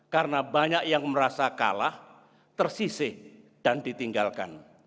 karena banyak yang merasa kalah tersisih dan ditinggalkan